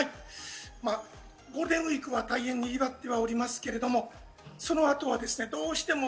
ゴールデンウイークは大変にぎわっておりますけれども、その後はどうしても